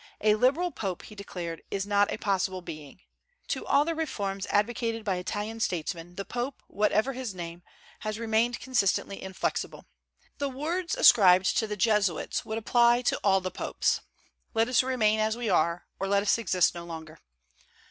A "liberal Pope," he declared, "is not a possible being." To all the reforms advocated by Italian statesmen the Pope, whatever his name, has remained consistently inflexible. The words ascribed to the Jesuits would apply to all the Popes, "Let us remain as we are, or let us exist no longer."